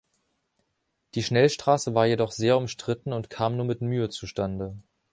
Die Schnellstraße war jedoch sehr umstritten und kam nur mit Mühe zu Stande.